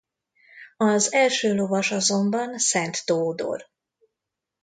Az első lovas azonban Szent Tódor.